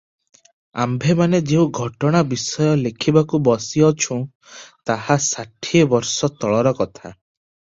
ଆମ୍ଭେମାନେ ଯେଉଁ ଘଟଣା ବିଷୟ ଲେଖିବାକୁ ବସିଅଛୁଁ, ତାହା ଷାଠିଏ ବର୍ଷ ତଳର କଥା ।